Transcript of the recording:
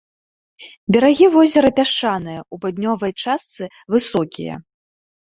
Берагі возера пясчаныя, у паўднёвай частцы высокія.